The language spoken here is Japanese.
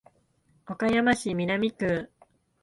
岡山市南区